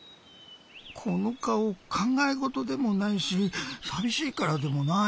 このかおかんがえごとでもないしさびしいからでもない。